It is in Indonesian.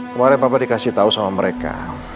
kemarin papa dikasih tahu sama mereka